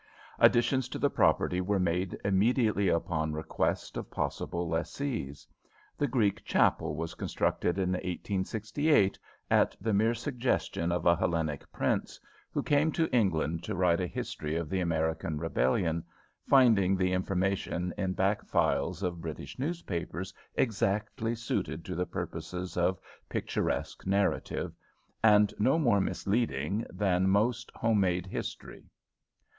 Additions to the property were made immediately upon request of possible lessees. The Greek chapel was constructed in 1868 at the mere suggestion of a Hellenic prince, who came to England to write a history of the American rebellion, finding the information in back files of British newspapers exactly suited to the purposes of picturesque narrative, and no more misleading than most home made history.